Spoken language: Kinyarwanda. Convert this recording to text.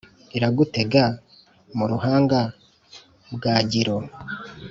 Iragutega mu ruhanga Bwagiro,